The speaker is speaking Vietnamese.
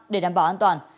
để đảm bảo an toàn